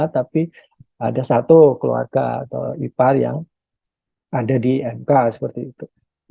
tapi ada satu keluarga atau ipar yang ada di mk seperti itu